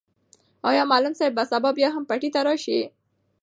آیا معلم صاحب به سبا بیا هم پټي ته راشي؟